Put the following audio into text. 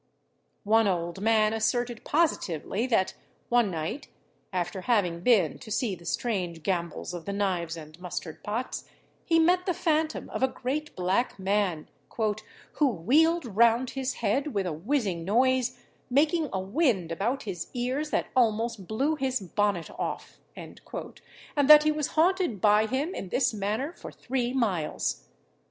One old man asserted positively that, one night, after having been to see the strange gambols of the knives and mustard pots, he met the phantom of a great black man, "who wheeled round his head with a whizzing noise, making a wind about his ears that almost blew his bonnet off," and that he was haunted by him in this manner for three miles.